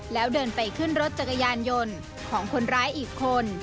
แล้วเดินไปขึ้นรถจักรยานยนต์ของคนร้ายอีกคน